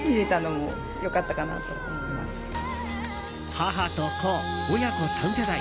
母と子、親子３世代。